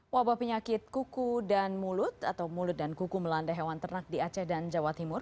wabah penyakit kuku dan mulut atau mulut dan kuku melanda hewan ternak di aceh dan jawa timur